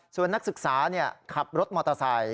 ส่วนนักศึกษาขับรถมอเตอร์ไซค